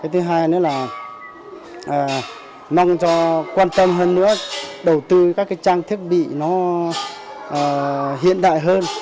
thứ hai nữa là mong cho quan tâm hơn nữa đầu tư các trang thiết bị nó hiện đại hơn